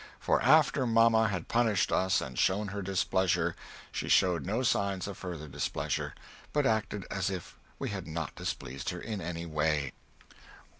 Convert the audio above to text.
For after mamma had punished us and shown her displeasure, she showed no signs of further displeasure, but acted as if we had not displeased her in any way.